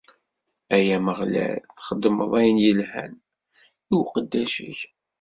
Ay Ameɣlal, txeddmeḍ ayen yelhan i uqeddac-ik.